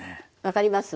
分かります？